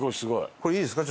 これいいですか？